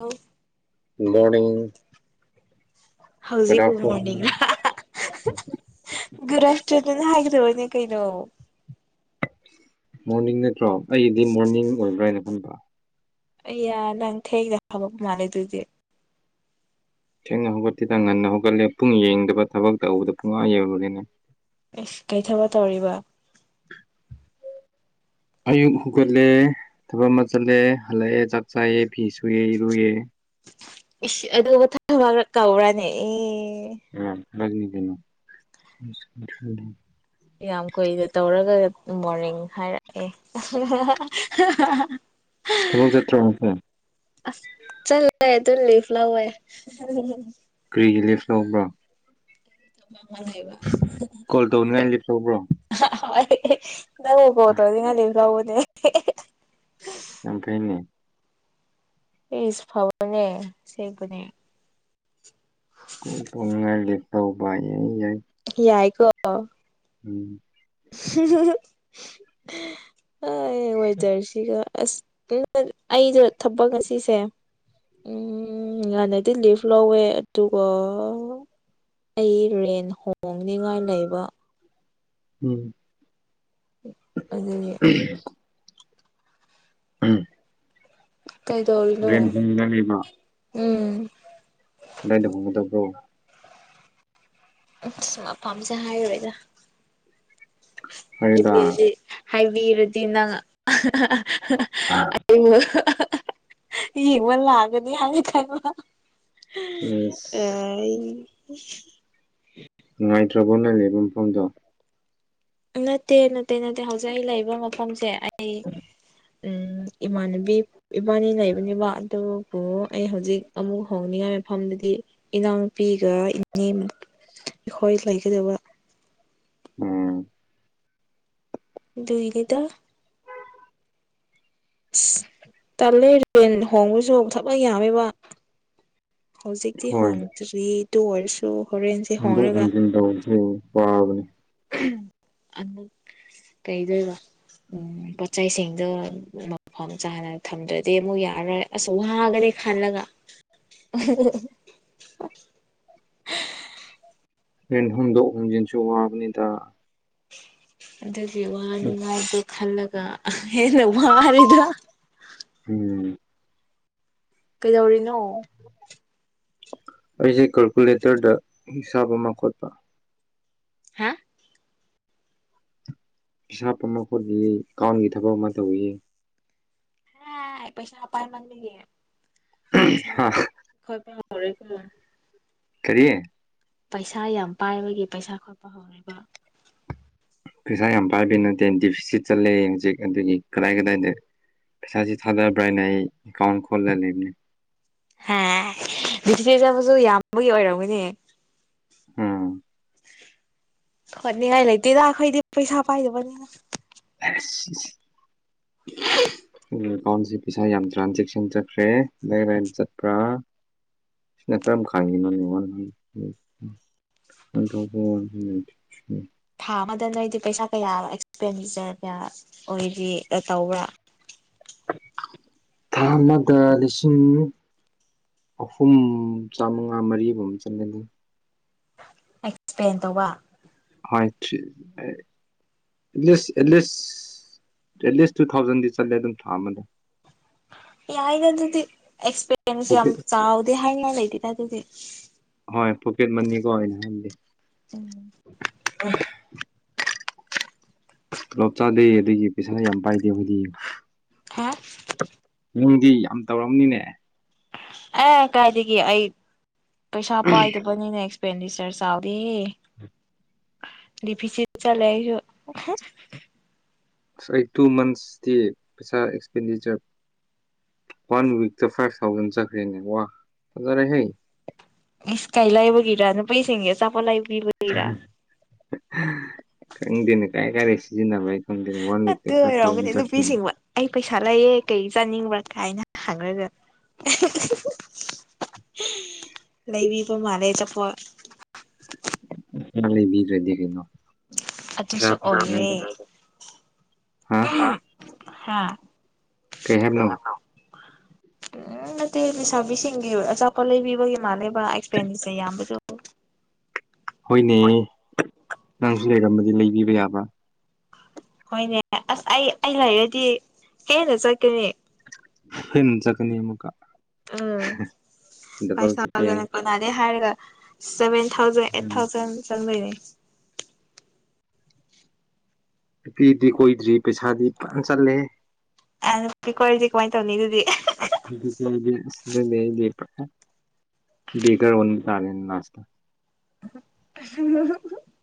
ꯑꯥꯎ ꯨ ꯃꯣꯔꯅꯤꯡ꯫ ꯍꯧꯖꯤꯛ ꯒꯨꯗ ꯕꯨ ꯑꯥꯐꯇꯔꯅꯨꯟ [unintelligible] ꯒꯨꯠ ꯑꯥꯐꯇꯔꯅꯨꯟ ꯍꯥꯏꯒꯗꯕꯅꯦ ꯀꯩꯅꯣ ꯃꯣꯔꯅꯤꯡ ꯅꯠꯇ꯭ꯔꯣ ꯑꯩꯒꯤꯗꯤ ꯃꯣꯔꯅꯤꯡ ꯑꯣꯏꯕ꯭ꯔꯥꯅ ꯈꯟꯕ ꯑꯩ ꯌꯥ ꯅꯪ ꯊꯦꯡꯅ ꯍꯥꯒꯠꯄ ꯃꯥꯜꯂꯦ ꯑꯗꯨꯗꯤ ꯊꯦꯡꯅ ꯍꯧꯒꯠꯇ‌ꯦꯗ ꯉꯟꯅ ꯍꯧꯒꯠꯂꯦ ꯄꯨꯡ ꯌꯦꯡꯗꯕ ꯊꯕꯛ ꯇꯧꯕꯗ ꯄꯨꯡ‌ ꯑꯥ ꯌꯧꯕꯒꯤꯅꯦ ꯑꯦꯁ ꯀꯩ ꯊꯕꯛ ꯇꯧꯔꯤꯕ [inaudible] ꯑꯌꯨꯛ ꯍꯧꯒꯠꯂꯦ ꯊꯕꯛ ꯑꯃ ꯆꯠꯂꯦ ꯍꯜꯂꯛꯑꯦ ꯆꯥꯛ ꯆꯥꯏꯌꯦ ꯐꯤ ꯁꯨꯏꯌꯦ ꯏꯔꯨꯏꯌꯦ ꯏꯁ ꯑꯗꯨꯕꯨ ꯊꯕꯛ ꯀꯧꯕꯔꯥꯅꯦ ꯑꯦ ꯑꯏ ꯊꯕꯛꯅꯤ ꯀꯩꯅ‌ꯣ ꯌꯥꯝ ꯀꯨꯏꯅ ꯇꯧꯔꯒ ꯃꯣꯔꯅꯤꯡ ꯍꯥꯏꯔꯛꯑꯦ ꯊꯕꯛ ꯆꯠꯇ꯭ꯔꯣ ꯑꯁ ꯆꯠꯂ‌ꯦ ꯑꯗꯨ ꯂꯤꯞ ꯂꯧꯌ‌ꯦ ꯀꯔꯤꯒꯤ ꯂꯦꯞ ꯂꯧꯕ꯭ꯔꯥ ꯀꯣꯜ ꯇꯧꯅꯤꯉꯥꯏ ꯂꯦꯞ ꯂꯧꯕ꯭ꯔꯣ ꯍꯣꯏ ꯅꯪꯕꯨ ꯀꯣꯜ ꯇꯧꯅꯤꯉꯥꯏ ꯂꯤꯞ ꯂꯧꯕꯅꯦ ꯌꯥꯝ ꯐꯩꯅ‌ꯦ ꯏꯁ ꯐꯥꯕꯅꯦ ꯑꯁ‌ꯦꯡꯕꯅꯦ ꯀ‌ꯣꯜ ꯇꯧꯅꯤꯉꯥꯏ ꯂꯦꯞ ꯂꯧꯕ ꯌꯥꯏ ꯌꯥꯏ ꯌꯥꯏꯀꯣ ꯎꯝ ꯑꯣꯏ ꯋ‌ꯦꯗꯔꯁꯤꯒ ꯑꯁ ꯑꯩꯁ‌ꯦ ꯊꯕꯛ ꯉꯁꯤꯁꯦ ꯎꯝ ꯉꯥꯟꯅꯗꯤ ꯂꯤꯞ ꯂꯧꯋꯦ ꯑꯗꯨꯒ ꯑꯩ ꯔꯦꯟ ꯍꯣꯡꯅꯤꯉꯥꯏ ꯂꯩꯕ ꯎꯝ ꯑꯗꯨꯗꯤ [unintelligible] [unintelligible] ꯀꯩꯗꯧꯔꯤꯅꯣ ꯔꯦꯟ ꯍꯣꯡꯒꯗꯧꯔꯤꯕ ꯎꯝ ꯀꯗꯥꯏꯗ ꯍꯣꯡꯒꯗꯕ꯭ꯔꯣ ꯃꯐꯥꯝꯁꯦ ꯍꯥꯏꯔ‌ꯣꯏꯗ ꯐꯔꯦꯗ ꯍꯥꯏꯕꯤꯔꯗꯤ ꯍꯥꯏꯕꯤꯔꯗꯤ ꯅꯪ ꯌꯦꯡꯕ ꯂꯥꯛꯀꯅꯤ ꯍꯥꯏꯅ ꯈꯟꯕ ꯏꯁ [unintelligible] ꯅꯨꯡꯉꯥꯏꯇ꯭ꯔꯕꯣ ꯅ‌ꯣꯏ ꯂꯩꯕ ꯃꯐꯝꯗꯣ ꯅꯠꯇꯦ ꯅꯠꯇꯦ ꯅꯠꯇꯦ ꯍꯧꯖꯤꯛ ꯑꯩꯅ ꯂꯩꯕ ꯃꯐꯝꯁꯦ ꯑꯩ ꯎꯝ ꯏꯃꯥꯟꯅꯕꯤ ꯏꯕꯥꯟꯅꯤ ꯂꯩꯕꯅꯦꯕ ꯑꯗꯨꯕꯨ ꯑꯩ ꯍꯧꯖꯤꯛ ꯑꯃꯨꯛ ꯍꯣꯡꯅꯤꯡꯉꯥꯏ ꯃꯐꯝꯗꯗꯤ ꯏꯅꯥꯎꯅꯨꯄꯤꯒ ꯏꯅꯦ ꯈꯣꯏ ꯂꯩꯒꯗꯕ ꯎꯝ ꯑꯗꯨꯒꯤꯅꯤꯗ ꯑꯁ ꯇꯜꯂ‌ꯦ ꯔꯦꯟ ꯍꯣꯡꯕꯁꯨ [unintelligible] ꯌꯥꯝꯃꯦꯕ ꯍꯧꯖꯤꯛꯇꯤ ꯍꯣꯏ ꯍꯣꯡꯗ꯭ꯔꯤ ꯑꯗꯨ ꯑꯣꯏꯔꯁꯨ ꯍꯣꯔꯦꯟꯁꯦ ꯍ‌ꯣꯡꯗꯣꯛ ꯍꯣꯡꯖꯤꯟ ꯇꯧꯕꯁꯦ ꯋꯥꯥꯕꯅꯦ ꯑ ꯀꯩꯗꯧꯕ ꯎꯝ ꯄꯣꯠꯆꯩꯁꯤꯡꯗꯣ ꯃꯐꯝ ꯆꯥꯅ ꯊꯝꯗ꯭ꯔꯗꯤ ꯑꯃꯨꯛ ꯌꯥꯔꯣꯏ ꯑꯁ ꯋꯥꯒꯅꯦ ꯈꯜꯂꯒ [unintelligible] ꯃꯦꯟ ꯍꯨꯝꯗꯣꯛ ꯍꯨꯝꯖꯤꯟꯁꯨ ꯋꯥꯕꯅꯤꯗ ꯑꯗꯨꯗꯒꯤ ꯋꯥꯅꯅꯨꯡꯉꯥꯏꯗꯨ ꯈꯜꯂꯒꯅ ꯋꯥꯔꯗ ꯎꯝ ꯀꯩꯗꯧꯔꯤꯅꯣ ꯑꯩꯁꯦ ꯀꯥꯜꯀꯨꯂꯦꯇꯔꯗ ꯍꯤꯁꯥꯞ ꯑꯃ ꯈꯣꯠꯄ ꯍꯥꯦ ꯄꯩꯤꯁꯥ ꯄꯝꯕ ꯈꯣꯠꯄꯤ ꯀꯥꯎꯟꯒꯤ ꯊꯕꯛ ꯑꯃ ꯇꯧꯋꯤ ꯍꯥꯏ ꯄꯩꯁꯥ ꯄꯥꯏ ꯃꯅꯤꯡꯦ ꯄꯩꯁꯥ ꯈꯣꯏ ꯄꯍꯔꯦꯀꯣ ꯀꯔꯤꯌꯦ ꯄꯩꯁꯥ ꯌꯥꯝ ꯄꯥꯏꯕꯒꯤ ꯄꯩꯁꯥ ꯈꯣꯠꯄ ꯍꯧꯔꯤꯕ ꯄꯩꯁꯥ ꯌꯥꯝ ꯄꯥꯏꯕ ꯅꯠꯇꯦ ꯗꯤꯐꯤꯁꯤꯠ ꯆꯠꯂꯦ ꯍꯧꯖꯤꯛ ꯑꯗꯨꯒꯤ ꯀꯗꯥꯏ ꯀꯗꯥꯏꯗ ꯄꯩꯁꯥꯁꯤ ꯊꯥꯗꯕ꯭ꯔꯥ ꯍꯥꯏꯅ ꯑꯩ ꯑꯦꯀꯥꯎꯟ ꯈꯣꯜꯂ ꯂꯩꯕꯅꯦ ꯍ ꯄ꯭ꯔꯤꯊꯤꯕꯤꯗꯕꯨꯁꯨ ꯌꯥꯝꯕꯒꯤ ꯑꯣꯏꯔꯝꯒꯅꯦ ꯎꯝ ꯍꯣꯠꯅꯤꯡꯉꯥꯏ ꯂꯩꯇꯦꯗ ꯑꯩꯈꯣꯏꯗꯤ ꯄꯩꯁꯥ ꯄꯥꯏꯗꯕꯅꯤꯅ ꯑ ꯎ ꯑꯦꯀꯥꯎꯟꯁꯤꯦ ꯄꯩꯁꯥ ꯌꯥꯝ ꯇ꯭ꯔꯥꯟꯖꯦꯛꯁꯟ ꯆꯠꯈ꯭ꯔꯦ ꯂꯥꯏ ꯂꯥꯏ ꯌꯥꯝ ꯆꯠꯄ꯭ꯔꯥ ꯁꯤꯅ ꯈꯔ ꯑꯃ ꯈꯥꯡꯉꯤꯅꯉ ꯎ ꯎ ꯑꯟꯗꯣꯕꯟ ꯅꯥꯇ ꯊ꯭ꯔꯤ ꯊꯥ ꯑꯃꯗ ꯅꯣꯏꯗꯤ ꯄꯩꯁꯥ ꯀꯌꯥ ꯑꯦꯛꯁꯄꯦꯟꯗꯤꯆꯔ ꯀꯌꯥ ꯑꯣꯏꯔꯤ ꯇꯧꯕ꯭ꯔꯥ ꯊꯥ ꯑꯃꯗ ꯂꯤꯁꯤꯡ ꯑꯍꯨꯝ ꯆꯥꯃꯉꯥ ꯃꯔꯤ ꯑꯝ ꯆꯠꯂꯦꯗ ꯑꯦꯛꯁꯄ꯭ꯂꯦꯟ ꯇꯧꯕ ꯍꯣꯏ at least at least at least two ꯊꯥꯎꯖꯟꯗꯤ ꯆꯠꯂꯦ ꯑꯗꯨꯝ ꯊꯥ ꯑꯃꯅꯦ ꯌꯥꯏꯅꯦ ꯑꯗꯨꯗꯤ ꯑꯦꯛꯁꯄꯤꯦꯔꯤꯟꯁ ꯌꯥꯝ ꯄꯣꯀꯦꯠ ꯆꯥꯎꯗꯦ ꯍꯥꯏꯅ ꯂꯩꯇꯗ ꯑꯗꯨꯗꯤ ꯍꯣꯏ ꯄꯣꯀꯦꯠ ꯃꯅꯤꯀꯣ ꯑꯣꯏꯅ ꯍꯥꯏꯕꯗꯤꯦ ꯎꯝ ꯄꯨꯂꯞ ꯆꯥꯗꯦ ꯑꯗꯨꯒꯤ ꯄꯩꯁꯥ ꯌꯥꯝ ꯄꯥꯏꯗꯦ ꯑꯩꯈꯣꯏꯗꯤ ꯍꯥ ꯅꯪꯗꯤ ꯌꯥꯝ ꯇꯧꯔꯝꯅꯤꯅꯦ ꯑꯦ ꯀꯥꯏꯗꯒꯤ ꯑꯩ ꯄꯦꯁꯥ ꯄꯋꯥ ꯣꯕꯨ ꯑꯦꯛꯁꯄꯦꯟꯗꯤꯆꯔꯁꯥꯎꯔꯤꯗꯤ ꯂꯤꯄꯤꯁꯤ ꯆꯂꯁꯨ ꯑꯩ ꯇꯨ ꯃꯟꯁꯇꯤ ꯄꯩꯁꯥ expenditure one week five thousand ꯆꯠꯈ꯭ꯔꯦꯅꯦ ꯋꯥꯖꯔꯦ ꯍ ꯏꯁꯁ ꯀꯩ ꯂꯩꯕꯒꯤꯔ ꯅꯨꯄꯤꯁꯤꯡꯁꯦ ꯑꯆꯥꯄꯠꯂ ꯂꯩꯕꯤꯕ ꯈꯪꯗꯅꯦ ꯀꯥꯏ ꯀꯔꯦꯁꯤꯖꯤꯅꯥꯏ ꯑꯠꯇ ꯑꯣꯏꯔꯣꯃꯅꯦꯅ ꯄꯤꯁꯤꯃ ꯑꯩ ꯄꯩꯁꯥ ꯂꯩꯌꯦ ꯀꯩ ꯆꯥꯅꯤꯡꯕ꯭ꯔꯥ ꯀꯥꯏꯅ ꯍꯪꯈ꯭ꯔꯒ ꯂꯩꯕꯤꯕ ꯃꯥꯜꯂꯦ ꯆꯐ ꯃꯥ ꯗꯔꯦꯗꯤ ꯀꯩꯅꯣ ꯄꯩꯁꯥ ꯑꯗꯨꯁꯨ ꯑꯣꯏꯔꯦ ꯐꯪꯉꯤꯉꯩꯗ ꯍꯥ ꯀ ꯀꯩ ꯍꯥꯏꯕꯅꯣ ꯎꯝ ꯅꯠꯇꯦ ꯂꯩꯁꯥꯕꯤꯁꯤꯡꯒꯤ ꯑꯆꯥꯄꯠ ꯂꯩꯕꯤꯕꯒꯤ ꯃꯥꯜꯂꯦꯕ ꯑꯦꯛꯁꯄꯦꯟꯗꯤꯆꯔ ꯌꯥꯝꯕꯁꯨ ꯍꯣꯏꯅꯦ ꯅꯪꯁꯨ ꯂꯩꯔꯝꯃꯗꯤ ꯂꯩꯕꯤꯕ ꯌꯥꯕ꯭ꯔꯥ ꯍꯣꯏꯅꯦ ꯑꯁ ꯑꯩ ꯑꯩ ꯂꯩꯔꯗꯤ ꯍꯦꯟꯅ ꯆꯠꯀꯅꯤ ꯍꯣꯏꯅ ꯆꯀꯅꯤ ꯑꯃꯨꯀ ꯎꯝ ꯆꯠꯄ ꯌꯥꯏ ꯀꯥꯏꯁꯗꯅ ꯃꯥꯗꯩ ꯍꯥꯏꯔꯒ seven thousand eight um thousand ꯆ ꯂꯩꯅꯩ ꯅꯨꯄꯤꯗꯤ ꯀꯣꯏꯗ꯭ꯔꯤ ꯄꯩꯁꯥꯗꯤ ꯐꯖꯅ ꯆꯠꯂꯦ ꯑ ꯄꯤ ꯀꯋꯥꯣꯏꯗꯤ ꯀꯃꯥꯏ ꯇꯧꯅꯤ ꯏ ꯑꯗꯨꯗꯤ ꯁꯤ ꯂꯩ ꯒꯔ ꯑꯣ ꯇꯥꯔ ꯅꯥꯁꯇ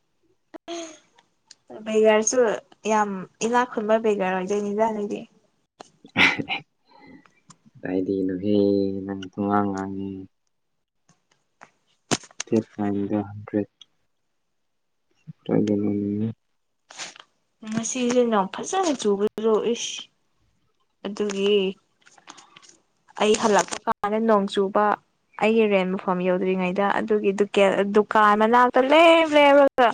[unintelligible] ꯕꯦꯒꯔꯁꯨ ꯌꯥꯝ ꯏꯅꯥꯛ ꯈꯨꯟꯕ ꯕꯦꯒꯔ ꯑꯣꯏꯖꯣꯏ ꯅꯤꯖꯥꯅꯗꯤ ꯑꯗꯥꯏꯗꯤ ꯅꯣꯍꯦ ꯅꯪ ꯊꯨꯡꯉꯥꯡ ꯉꯥꯡꯉꯤ ꯊꯟ ꯍꯟꯗ꯭ꯔꯦꯠ [unintelligible] ꯉꯁꯤꯁꯦ ꯅꯣꯡ ꯌꯥꯝ ꯐꯖꯅ ꯆꯨꯕꯗꯣ ꯏꯁ ꯑꯗꯨꯒꯤ ꯑꯩ ꯍꯜꯂꯛꯄ ꯀꯥꯟꯗ ꯅꯣꯡ ꯆꯨꯕ ꯑꯩꯒꯤ ꯔꯦꯟ ꯃꯐꯝ ꯌꯧꯗ꯭ꯔꯤꯉꯩꯗ ꯑꯗꯨꯒꯤ ꯗꯨꯀꯥꯟ ꯃꯅꯥꯛꯇ ꯂꯦꯞ ꯂꯦꯞꯂꯒ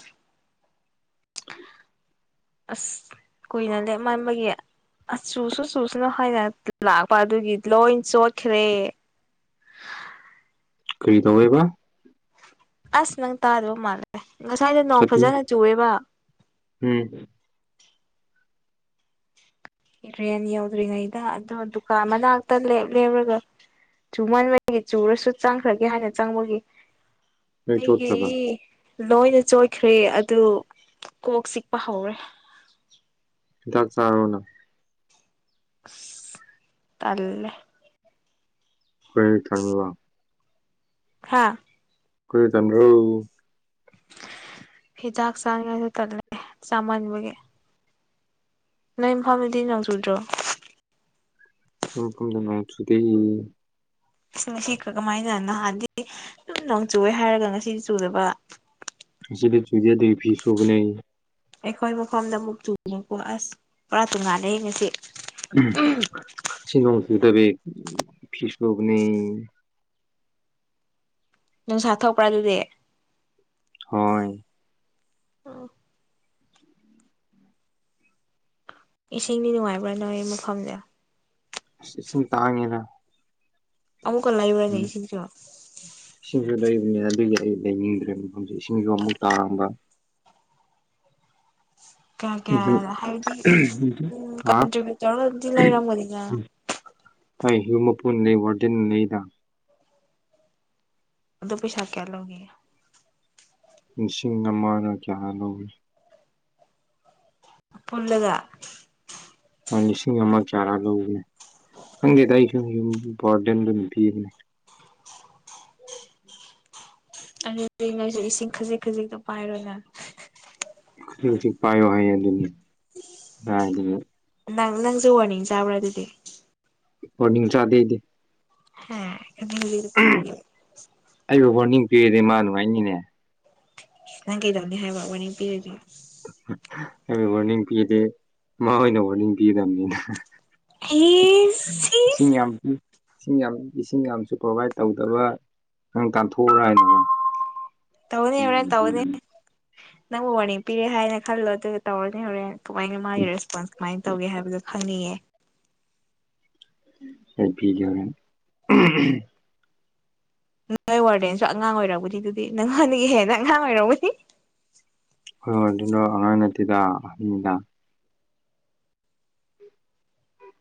ꯑꯁ ꯀꯨꯏꯅ ꯂꯦꯞ ꯃꯥꯟꯕꯒꯤ ꯑ ꯆꯨꯁꯨ ꯆꯨꯁꯅꯨ ꯍꯥꯏꯅ ꯂꯥꯛꯄ ꯑꯗꯨꯒꯤ ꯂꯣꯏ ꯆꯣꯠꯈꯔꯦ ꯀꯔꯤ ꯇꯧꯋꯦꯕ ꯑꯁ ꯅꯪ ꯇꯥꯗꯕ ꯃꯥꯜꯂꯦ ꯉꯁꯥꯏꯗꯣ ꯅꯣꯡ ꯁꯥꯊꯤ ꯐꯖꯅ ꯆꯨꯑꯦꯕ ꯎꯝ ꯔꯦꯟ ꯌꯧꯗ꯭ꯔꯤꯉꯩꯗ ꯑꯗꯣ ꯗꯨꯀꯥꯟ ꯃꯅꯥꯛꯇ ꯂꯦ ꯂꯦꯞꯔꯒ ꯆꯨ ꯃꯟꯕꯒꯤ ꯆꯨꯔꯁꯨ ꯆꯪꯈ꯭ꯔꯒꯦ ꯍꯥꯏꯅ ꯆꯪꯕꯒꯤ ꯅꯣꯏ ꯆꯣꯠꯈ꯭ꯔꯕ ꯑꯩꯒꯤ ꯂꯣꯏꯅ ꯆꯣꯏꯈ꯭ꯔꯦ ꯑꯗꯨ ꯀꯣꯛ ꯆꯤꯛꯄ ꯍꯧꯔꯦ ꯍꯤꯗꯥꯛ ꯆꯥꯔꯣꯅ ꯇꯜꯂꯦ ꯀꯔꯤꯒꯤ ꯇꯜꯂꯤꯕ ꯍꯥꯥ ꯀꯥꯔꯤꯒꯤ ꯇꯜꯕꯔꯣ ꯍꯤꯗꯥꯛ ꯆꯥꯡꯉꯁꯨ ꯇꯠꯂꯦ ꯆꯥꯝꯃꯟꯕꯒꯤ ꯅꯪ ꯏꯝꯐꯥꯜꯗꯥꯗꯤ ꯅꯣꯡ ꯆꯨꯗ꯭ꯔꯣ ꯅꯣꯡ ꯆꯨꯗꯦ ꯉꯁꯤ ꯀꯃꯥꯏꯅ ꯅꯍꯥꯟꯗꯤ ꯁꯨꯝ ꯅꯣꯡ ꯆꯨꯑꯦ ꯍꯥꯏꯔꯒ ꯉꯁꯤꯗꯤ ꯆꯨꯗꯕ ꯉꯁꯤꯗꯤ ꯆꯨꯗꯤ ꯑꯗꯨꯒꯤ ꯐꯤ ꯁꯨꯕꯅꯦ ꯑꯩꯈꯣꯏ ꯃꯐꯝꯗ ꯑꯃꯨꯛ ꯆꯨꯕꯀꯣ ꯑꯁ ꯄꯨꯔꯥ ꯇꯨꯉꯥꯟꯅꯩ ꯉꯁꯤ ꯉꯁꯤ ꯅꯣꯡ ꯁꯨꯗꯕꯑꯤ ꯐꯤ ꯁꯨꯕꯅꯦ ꯅꯨꯡꯁꯥ ꯊꯣꯛꯄ꯭ꯔꯥ ꯑꯗꯨꯗꯤ ꯍꯣꯏ [inaudible] ꯏꯁꯤꯡꯗꯤ ꯅꯨꯡꯉꯥꯏꯕ꯭ꯔꯥ ꯅꯣ ꯑꯩ ꯃꯐꯝꯗꯤ ꯏꯁꯤꯡ ꯇꯥꯡꯉꯤꯗꯥ ꯑꯃꯨꯛꯀꯥ ꯂꯩꯕꯔꯥꯅꯦ ꯏꯁꯤꯡꯁꯨ ꯏꯁꯤꯡꯁꯨ ꯂꯩꯕꯅꯤꯅ ꯑꯗꯨꯒꯤ ꯑꯩ ꯂꯩꯅꯤꯡꯗ꯭ꯔꯦ ꯃꯐꯝꯁꯦ ꯏꯁꯤꯡꯁꯨ ꯑꯃꯨꯛ ꯇꯥꯡꯕ ꯀꯌꯥ ꯑꯩꯁꯦ ꯀꯌꯥ ꯍꯥꯏꯗꯤ ꯍꯥ ꯎꯀꯟꯇ꯭ꯔꯤꯕ꯭ꯌꯨꯠ ꯇꯧꯔꯒꯗꯤ ꯂꯩꯔꯝꯒꯅꯤꯅ ꯍꯨꯝ ꯃꯄꯨꯅ ꯂꯩ ꯋꯥꯔꯗꯦꯟꯅ ꯂꯩꯗ ꯑꯗꯨ ꯄꯩꯁꯥ ꯀꯌꯥ ꯂꯧꯒꯦ ꯂꯤꯁꯤꯡ ꯑꯃꯔꯥ ꯀꯌꯥꯅꯣ ꯄꯨꯜꯂꯒ ꯂꯤꯁꯤꯡ ꯑꯃꯒ ꯀꯩꯌꯥꯔꯥ ꯂꯧꯕꯅꯦ ꯈꯪꯗꯦꯗ ꯑꯩꯁꯨꯨꯝ ꯌꯨꯝ ꯋꯥꯔꯗꯦꯟ ꯑꯗꯨꯝ ꯄꯤꯕꯅꯦ ꯑꯗꯨ ꯅꯣꯏꯁꯨ ꯏꯁꯤꯡ ꯈꯖꯤꯛ ꯈꯖꯤꯛꯇꯣ ꯄꯥꯏꯔꯦꯅꯦ ꯖꯤꯛꯖꯤꯛ ꯄꯥꯏꯌꯣ ꯍꯥꯏꯌꯦ ꯑꯗꯨꯅꯤ ꯀꯥꯏꯗꯒꯤ ꯅꯪ ꯅꯪꯁꯨ ꯋꯥꯔꯅꯤꯡ ꯆꯥꯕ꯭ꯔꯥ ꯑꯗꯨꯗꯤ ꯋꯥꯔꯅꯤꯡ ꯆꯗꯦ ꯑꯩꯗꯤ [unintelligible] ꯑꯩꯕꯨ ꯋꯥꯔꯅꯤꯡ ꯄꯤꯔꯗꯤ ꯃꯥ ꯅꯨꯡꯉꯥꯏꯅꯤꯅꯦ ꯅꯪ ꯀꯩꯗꯧꯅꯤ ꯍꯥꯏꯕꯔꯥ ꯋꯥꯔꯅꯤꯡ ꯄꯤꯔꯥꯗꯤ ꯍꯥꯏꯕꯩ ꯋꯥꯔꯅꯤꯡ ꯄꯤꯗꯦ ꯃꯥ ꯑꯣꯏꯅ ꯋꯥꯔꯅꯤꯡ ꯄꯤꯗꯝꯅꯤꯅꯦ ꯑꯩ ꯏꯁꯤꯡ ꯌꯥꯝ ꯏꯁꯤꯡ ꯌꯥꯝ ꯏꯁꯤꯡ ꯌꯥꯝꯁꯨ ꯄ꯭ꯔꯣꯚꯥꯏꯠ ꯇꯧꯗꯕ ꯅꯪ ꯇꯥꯟꯊꯣꯛꯎꯔꯥ ꯍꯥꯏꯅꯅꯦ ꯇꯧꯒꯅꯤ ꯍꯣꯔꯦꯟ ꯇꯧꯒꯅꯤ ꯅꯪꯕꯨ ꯋꯥꯔꯅꯤꯡ ꯄꯤꯔꯦ ꯍꯥꯏꯅ ꯈꯜꯂꯣ ꯑꯗꯨ ꯇꯧꯔꯅꯤ ꯍꯣꯔꯦꯟ ꯀꯃꯥꯏꯅ ꯃꯥꯒꯤ ꯔꯦꯁꯄꯣꯟꯁ ꯀꯃꯥꯏ ꯇꯧꯒꯦ ꯍꯥꯏꯕꯗꯣ ꯈꯪꯅꯤꯡꯉꯦ ꯑꯩ ꯄꯤꯒꯦ ꯍꯣꯔꯦꯟ ꯅꯪꯣꯏ ꯋꯥꯔꯗꯦꯟꯁꯨ ꯑꯉꯥꯡ ꯑꯣꯏꯔꯧꯕꯅꯤ ꯑꯗꯨꯗꯤ ꯅꯪꯉꯣꯟꯗꯒꯤ ꯍꯦꯟꯅ ꯑꯉꯥꯡ ꯑꯣꯏꯔꯝꯒꯅꯤ ꯑꯈꯣꯏ ꯋꯥꯔꯗꯦꯟꯔꯣ ꯑꯉꯥꯡ ꯅꯠꯇꯦꯗ ꯑꯍꯟꯅꯤꯗ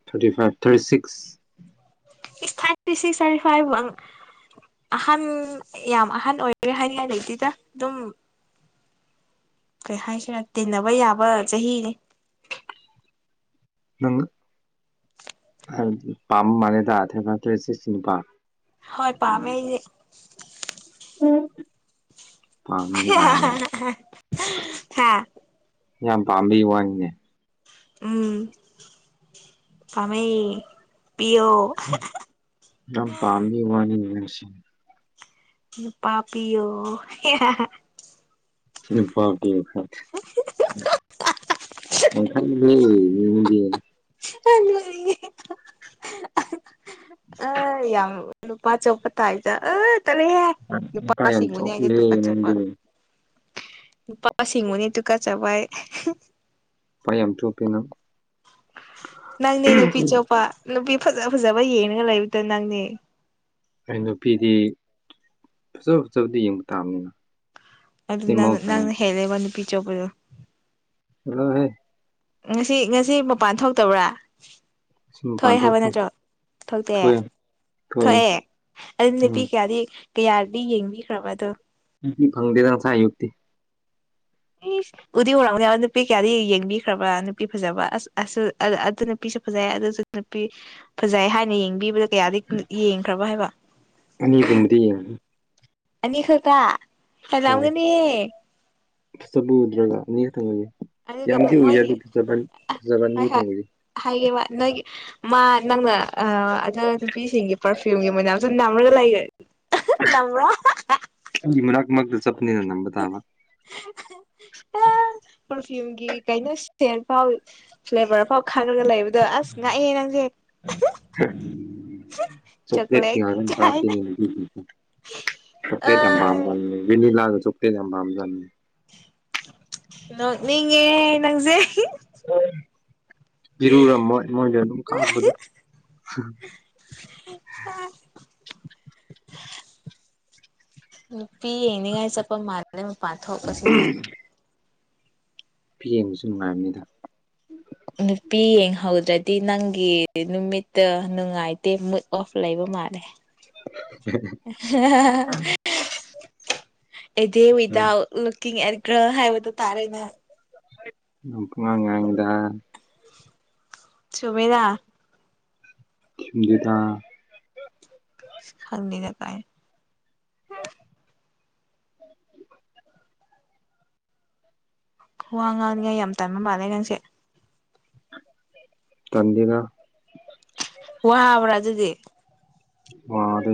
ꯊꯥꯔꯇꯤ ꯐꯥꯏꯚ ꯊꯥꯔꯇꯤ ꯁꯤꯛꯁ ꯏꯁ ꯊꯥꯔꯇꯤ ꯁꯤꯛꯁ ꯊꯥꯔꯇꯤ ꯐꯥꯏꯚꯕꯨ ꯑꯪ ꯑꯍꯟ ꯌꯥꯝ ꯑꯍꯟ ꯑꯣꯏꯔꯦ ꯍꯥꯏꯅꯤꯡꯉꯥꯏ ꯂꯩꯇꯦꯗ ꯑꯗꯨꯝ ꯀꯩ ꯍꯥꯏꯁꯤꯔꯥ ꯇꯤꯟꯅꯕ ꯌꯥꯕ ꯆꯍꯤꯅꯤ ꯅꯪ ꯍꯥꯏꯕꯗꯤ ꯄꯥꯝꯕ ꯃꯥꯜꯂꯦꯗ ꯊꯦꯡꯅ ꯇ꯭ꯔꯦꯁꯤꯁꯀꯤ ꯅꯨꯄꯥ ꯍꯣꯏ ꯄꯥꯝꯃꯦ ꯑꯩꯗꯤ ꯎꯝ ꯍꯥ ꯌꯥꯝ ꯄꯥꯝꯕꯩ ꯋꯥꯅꯤꯅꯦ ꯎꯝ ꯄꯥꯝꯃꯦ ꯄꯤꯌꯣ ꯌꯥꯝ ꯄꯥꯝꯕꯒꯤ ꯋꯥꯅꯤꯅꯦ ꯅꯪꯁꯤ ꯅꯨꯄꯥ ꯄꯤꯌꯣ ꯅꯨꯄꯥ ꯄꯤꯌꯣ ꯍꯥꯏ ꯋꯥꯈꯟꯗꯤ ꯂꯣꯏꯅꯗꯦ ꯄꯜꯂꯣꯏ ꯑ ꯌꯥꯝ ꯅꯨꯄꯥ ꯆꯣꯞꯄ ꯇꯥꯏꯗ ꯑ ꯇꯜꯂꯤꯍꯦ ꯅꯨꯄꯥ ꯌꯥꯝ ꯅꯨꯄꯥꯁꯤꯡꯕꯨꯅꯦ ꯑꯩꯅ ꯆꯣꯞꯄꯤꯍꯦ ꯇꯨꯒꯠꯆꯕ ꯅꯪꯗꯤ ꯅꯨꯄꯥ ꯅꯨꯄꯥꯁꯤꯡꯕꯨꯅꯦ ꯇꯨꯀꯠꯆꯕ ꯑꯩ ꯅꯨꯄꯥ ꯌꯥꯝ ꯆꯣꯞꯄꯦ ꯅꯪ ꯅꯪꯅꯦ ꯅꯨꯄꯤ ꯆꯣꯞꯄ ꯅꯨꯄꯤ ꯐꯖ ꯐꯖꯕ ꯌꯦꯡꯔꯒ ꯂꯩꯕꯗ ꯅꯪꯅꯦ ꯑꯩ ꯅꯨꯄꯤꯗꯤ ꯐꯖ ꯐꯖꯕꯗꯤ ꯌꯦꯡꯕ ꯇꯥꯕꯅꯤꯅꯦ ꯑꯗꯨ ꯅꯪꯅ ꯅꯪꯅ ꯍꯦꯜꯂꯦꯕ ꯅꯨꯄꯤ ꯆꯣꯞꯄꯗꯣ ꯆꯂꯣꯍꯦ ꯉꯁꯤ ꯉꯁꯤ ꯃꯄꯥꯟ ꯊꯣꯛꯇꯕ꯭ꯔꯥ ꯁꯤ ꯃꯄꯥꯟ ꯊꯣꯛꯑꯦ ꯍꯥꯏꯕ ꯊꯣꯛꯇꯦ ꯅꯠꯇ꯭ꯔꯣ ꯊꯣꯛꯇꯦ ꯊꯣꯛꯑꯦ ꯊꯣꯛꯑꯦ ꯑꯗꯨ ꯅꯨꯄꯤ ꯎꯝ ꯀꯌꯥꯗꯤ ꯀꯌꯥꯗꯤ ꯌꯦꯡꯕꯤꯈ꯭ꯔꯕ ꯑꯗꯣ ꯅꯨꯄꯤ ꯐꯪꯗꯦꯗ ꯉꯁꯥꯏ ꯑꯌꯨꯛꯇꯤ ꯏꯁ ꯎꯗꯤ ꯎꯔꯝꯒꯅꯤ ꯑ ꯅꯨꯄꯤ ꯀꯌꯥꯗꯤ ꯌꯦꯡꯕꯤꯈ꯭ꯔꯕꯥ ꯅꯨꯄꯤ ꯐꯖꯕ ꯑꯁ ꯑꯁꯤꯜ ꯑ ꯑꯗꯨ ꯅꯨꯄꯤꯁꯦ ꯐꯖꯩꯌꯦ ꯑꯗꯨꯁꯨ ꯅꯨꯄꯤ ꯐꯖꯩ ꯍꯥꯏꯅ ꯌꯦꯡꯕꯤꯕꯗ ꯀꯌꯥꯗꯤ ꯌꯦꯡꯈ꯭ꯔꯕ ꯍꯥꯏꯕ ꯑꯅꯤꯒꯨꯝꯕꯗꯤ ꯌꯦꯡꯈ꯭ꯔꯦ ꯑꯅꯤꯈꯛꯇ ꯍꯣꯏ ꯍꯦꯜꯂꯝꯒꯅꯤ ꯐꯖꯕ ꯎꯗ꯭ꯔꯒ ꯑꯅꯤ ꯈꯪꯇꯡꯅꯤ ꯑꯗꯨꯒ ꯌꯥꯝꯗꯤ ꯎꯏꯌꯦ ꯑꯗꯨ ꯃꯣꯏꯒꯤ ꯐꯖꯕ ꯐꯖꯕ ꯍꯣꯏ ꯑꯅꯤꯗ ꯍꯣꯏ ꯎꯏꯌꯦ ꯍꯥꯏꯒꯦꯕ ꯅꯣꯏ ꯃꯥ ꯅꯪꯅ ꯑ ꯑꯗꯨ ꯅꯨꯄꯤꯁꯤꯡꯒꯤ ꯄ꯭ꯔꯐ꯭ꯌꯨꯝꯒꯤ ꯃꯅꯝꯁꯨ ꯅꯝꯔꯒ ꯂꯩꯒ꯭ꯔꯦ ꯅꯝꯕ꯭ꯔꯥ ꯑꯩꯒꯤ ꯃꯅꯥꯛ ꯃꯛꯗ ꯆꯠꯄꯅꯤꯅ ꯅꯝꯕ ꯇꯥꯕ ꯑ ꯄ꯭ꯔꯐ꯭ꯌꯨꯝꯒꯤ ꯀꯩꯅꯣ ꯁ꯭ꯇꯦꯟ ꯐꯥꯎ ꯐ꯭ꯂꯦꯕ꯭ꯔꯐꯥꯎ ꯈꯪꯉꯒ ꯂꯩꯕꯗꯣ ꯑꯁ ꯉꯛꯏꯍꯦ ꯅꯪꯁꯦ ꯆꯣꯀ꯭ꯂꯦꯠꯀꯤ ꯆꯣꯀ꯭ꯂꯦꯠ ꯉꯥꯛꯇ ꯀꯥꯏꯅ ꯕ‌꯭ꯔꯥꯟꯁꯅꯤꯗ ꯅꯨꯄꯤꯁꯤꯡꯁꯤ ꯆꯣꯀ꯭ꯂꯦꯠꯀꯤ ꯌꯥꯝ ꯑꯥ ꯄꯥꯝꯒꯜꯂꯦ ꯚꯦꯅꯤꯜꯂꯥꯒ ꯆꯣꯀ꯭ꯂꯦꯠ ꯌꯥꯝ ꯄꯥꯝꯕꯖꯥꯠꯅꯤ ꯅ ꯅꯦ ꯅꯪꯖꯦ ꯏꯔꯨꯨꯔꯝꯃꯣꯏ ꯃꯣꯏꯁꯨ ꯑꯗꯨꯝ ꯀꯥꯞꯄꯗ ꯅꯨꯄꯤ ꯌꯦꯅꯤꯉꯥꯏ ꯆꯠꯄ ꯃꯥꯜꯂꯦ ꯄꯥꯊꯣꯛꯑ ꯀꯁꯤꯅ ꯐꯤ ꯌꯦꯡꯕꯁꯨ ꯅꯨꯡꯉꯥꯏꯕꯅꯤꯗ ꯅꯨꯄꯤ ꯌꯦꯡꯍꯧꯗ꯭ꯔꯗꯤ ꯅꯪꯒꯤ ꯅꯨꯃꯤꯠꯇ ꯅꯨꯡꯉꯥꯏꯇꯦ ꯃꯨꯠ ꯑꯣꯐ ꯂꯩꯕ ꯃꯥꯜꯂꯦ [unintelligible] ꯑꯦꯗꯦ ꯋꯤꯗꯥꯎꯠ ꯂꯨꯛꯀꯤꯡ ꯑꯦꯟ ꯒ꯭ꯔꯜ ꯍꯥꯏꯕꯗꯨ ꯇꯥꯔꯦꯅꯦ ꯉ ꯉꯥꯏꯉꯗ ꯆꯃꯦꯗ ꯒꯦꯗ ꯈꯪꯗꯤꯗ ꯇꯦ ꯋꯥ ꯉꯥꯡꯅꯤꯡꯉꯥꯏ ꯌꯥꯝ ꯇꯥꯏꯝ ꯃꯥꯜꯂꯦ ꯉꯪꯁꯦ ꯆꯗꯤꯅ ꯋꯥ ꯍꯥꯕ꯭ꯔꯥ ꯑꯗꯨꯗꯤ ꯃꯥꯔ